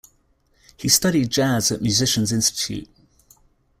He studied jazz at Musicians Institute.